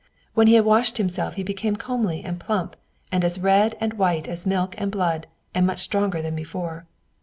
When he had washed himself, he became comely and plump, and as red and white as milk and blood, and much stronger than before.